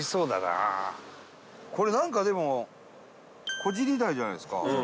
これなんかでも湖尻台じゃないですか。